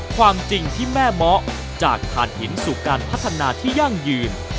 ความจริงที่แม่เมาะจากฐานหินสู่การพัฒนาที่ยั่งยืน